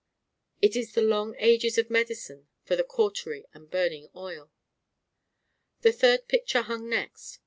It is the long Ages of Medicine for the cautery and burning oil. A third picture hung next.